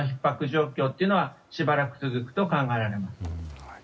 状況はしばらく続くと考えられます。